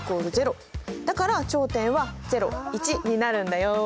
だから頂点はになるんだよ。